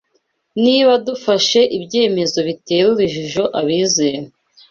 Niba dufashe ibyemezo bitera urujijo abizera